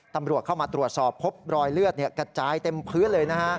ตำรวจเข้ามาตรวจสอบพบรอยเลือดกระจายเต็มพื้นเลยนะฮะ